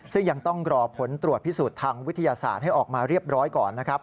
ซึ่งยังต้องรอผลตรวจพิสูจน์ทางวิทยาศาสตร์ให้ออกมาเรียบร้อยก่อนนะครับ